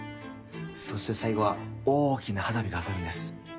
そして最後は大きな花火が上がるんです。